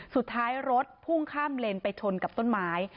สุดท้ายรถพุ่งข้ามเลนไปชนกับต้นไม้